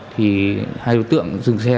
thì hai đối tượng dừng xe